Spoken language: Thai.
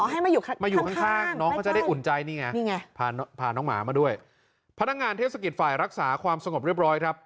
อ๋อให้มาอยู่ข้างไม่ใช่นี่ไงพาน้องหมามาด้วยพนักงานเทศกิจฝ่ายรักษาความสงบเรียบร้อยครับ